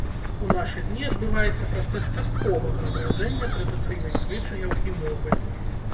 У нашы дні адбываецца працэс частковага адраджэння традыцыйных звычаяў і мовы.